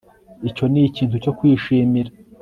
Icyo ni ikintu cyo kwishimira